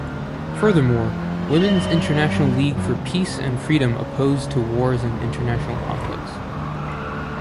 Furthermore, Women's international league for peace and freedom opposed to wars and international conflicts.